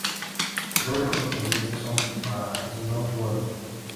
Dos de las pendientes son para snowboarding.